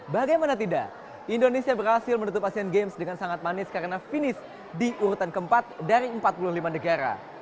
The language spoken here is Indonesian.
bagaimana tidak indonesia berhasil menutup asean games dengan sangat manis karena finish di urutan keempat dari empat puluh lima negara